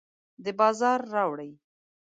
د بازار راوړي